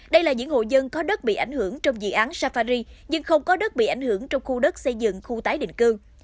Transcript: đây là những hộ dân có đất bị ảnh hưởng trong dự án safari nhưng không có đất bị ảnh hưởng trong khu đất xây dựng khu tái định cư